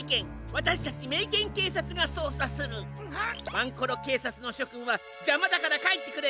ワンコロけいさつのしょくんはじゃまだからかえってくれ。